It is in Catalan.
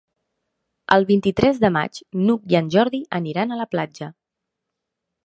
El vint-i-tres de maig n'Hug i en Jordi aniran a la platja.